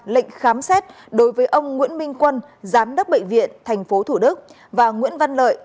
lệnh khám xét đối với ông nguyễn minh quân giám đốc bệnh viện tp thủ đức và nguyễn văn lợi